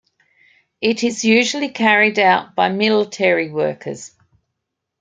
It is usually carried out by military workers.